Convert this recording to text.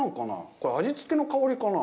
これ味付けの香りかな。